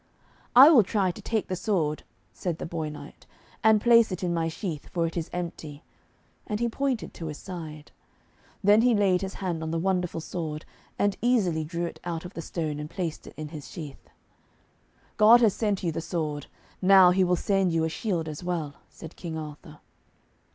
'I will try to take the sword,' said the boy knight, 'and place it in my sheath, for it is empty,' and he pointed to his side. Then he laid his hand on the wonderful sword, and easily drew it out of the stone, and placed it in his sheath. 'God has sent you the sword, now He will send you a shield as well,' said King Arthur.